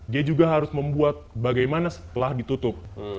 dia juga harus membuat bagaimana setelah ditutup